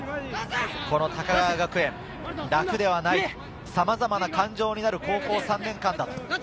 高川学園、楽ではない、さまざまな感情になる高校３年間だと。